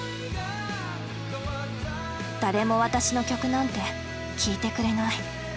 誰も私の曲なんて聴いてくれない。